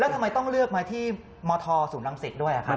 ทำไมต้องเลือกมาที่มธศูนย์รังสิตด้วยครับ